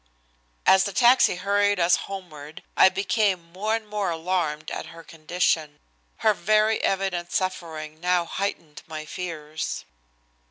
As the taxi hurried us homeward I became more and more alarmed at her condition. Her very evident suffering now heightened my fears.